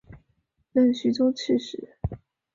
任徐州刺史。